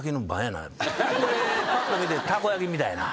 それでパッと見てたこ焼きみたいやな。